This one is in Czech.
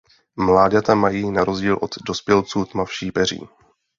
Mláďata mají na rozdíl od dospělců tmavší peří.